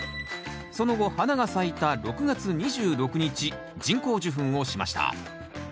その後花が咲いた６月２６日人工授粉をしました